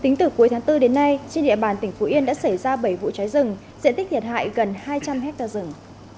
tính từ cuối tháng bốn đến nay trên địa bàn tỉnh phú yên đã xảy ra bảy vụ cháy rừng diện tích thiệt hại gần hai trăm linh hectare rừng